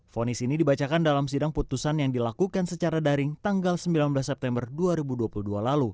fonis ini dibacakan dalam sidang putusan yang dilakukan secara daring tanggal sembilan belas september dua ribu dua puluh dua lalu